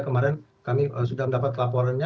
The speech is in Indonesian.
kemarin kami sudah mendapat laporannya